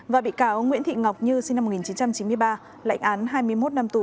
và bị cáo nguyễn thị ngọc như sinh năm một nghìn chín trăm chín mươi ba lệnh án hai mươi một năm tù